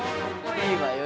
いいわよ。